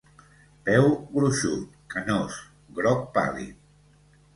Peu gruixut, canós, groc pàl·lid.